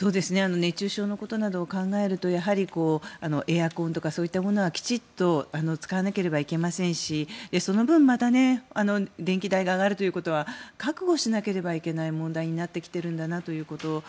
熱中症のことなどを考えるとやはりエアコンとかそういったものはきちんと使わなければいけませんしその分、また電気代が上がるということは覚悟しなければいけない問題になってきているんだということ。